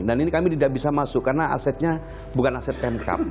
dan ini kami tidak bisa masuk karena asetnya bukan aset pemkap